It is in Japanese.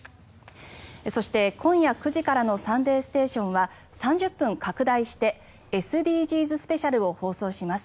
そして、今夜９時からの「サンデーステーション」は３０分拡大してＳＤＧｓスペシャルを放送します。